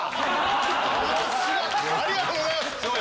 ありがとうございます。